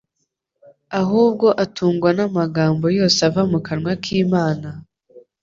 ahubwo atungwa n'amagambo yose ava mu kanwa k'Imana,